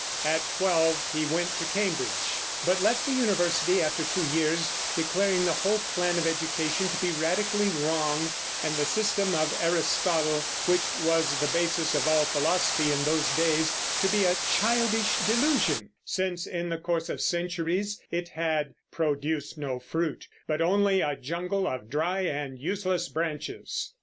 At twelve he went to Cambridge, but left the university after two years, declaring the whole plan of education to be radically wrong, and the system of Aristotle, which was the basis of all philosophy in those days, to be a childish delusion, since in the course of centuries it had "produced no fruit, but only a jungle of dry and useless branches."